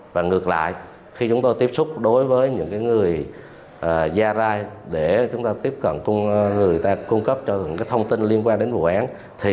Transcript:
và ngược lại khi chúng tôi tiếp xúc đối với những người kinh để cung cấp những thông tin liên quan đến vụ án thì